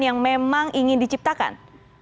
yang memang ingin diciptakan